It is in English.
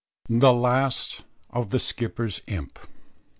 THE LAST OF THE SKIPPER'S IMP.